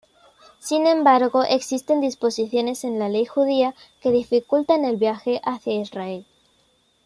Sin embargo, existen disposiciones en la ley judía que dificultan el viaje hacia Israel.